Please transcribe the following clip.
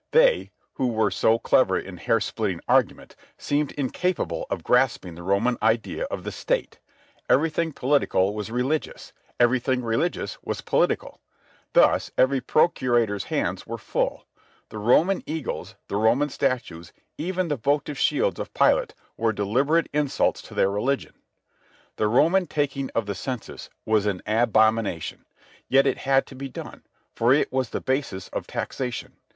They, who were so clever in hair splitting argument, seemed incapable of grasping the Roman idea of the State. Everything political was religious; everything religious was political. Thus every procurator's hands were full. The Roman eagles, the Roman statues, even the votive shields of Pilate, were deliberate insults to their religion. The Roman taking of the census was an abomination. Yet it had to be done, for it was the basis of taxation.